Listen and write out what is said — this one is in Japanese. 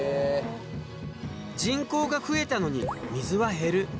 人口が増えたのに水は減る。